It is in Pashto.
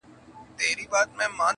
خو د کلي چوپتيا لا هم تر ټولو قوي ده